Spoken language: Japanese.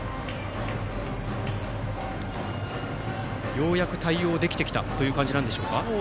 ようやく対応できてきたという感じなんでしょうか。